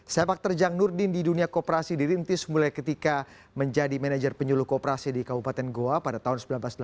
sepak terjang nurdin di dunia kooperasi dirintis mulai ketika menjadi manajer penyuluh kooperasi di kabupaten goa pada tahun seribu sembilan ratus delapan puluh